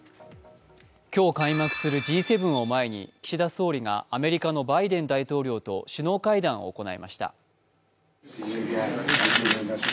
今日開幕するＧ７を前に岸田総理がアメリカのバイデン大統領と首脳会談を行いました。